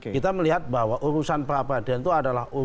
kita melihat bahwa urusan peradilan itu adalah